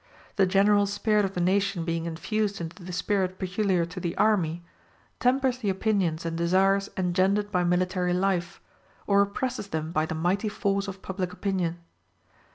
The general spirit of the nation being infused into the spirit peculiar to the army, tempers the opinions and desires engendered by military life, or represses them by the mighty force of public opinion.